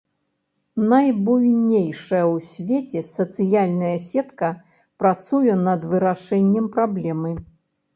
Найбуйнейшая ў свеце сацыяльная сетка працуе над вырашэннем праблемы.